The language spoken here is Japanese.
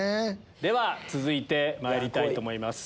では続いてまいりたいと思います。